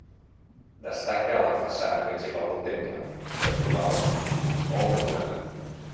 Destaca la façana principal del temple, d'estil barroc, molt decorada.